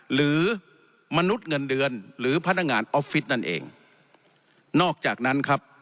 หรือมนุษย์เงินเดือนหรือพนักงานออฟฟิศนั่นเองนอกจากนั้นครับ